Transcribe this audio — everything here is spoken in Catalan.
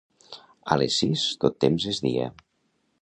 A les sis tot temps és dia.